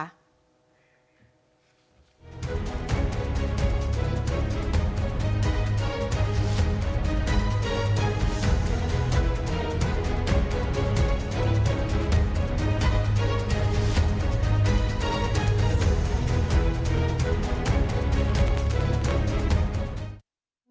นั่นแหละ